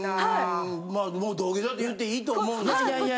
もう土下座って言っていいと思うんですけど。